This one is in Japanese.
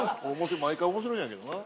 毎回面白いんやけどな。